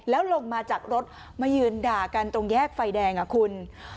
แล้วลงมาจากรถมายืนด่ากันตรงแยกไฟแดงคุณ